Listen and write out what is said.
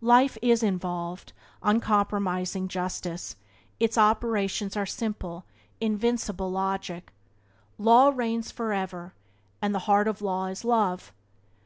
Life is uninvolved, uncompromising justice; its operations are simple, invincible logic. Law reigns forever, and the heart of law is love.